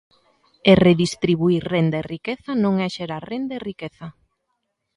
E redistribuír renda e riqueza non é xerar renda e riqueza.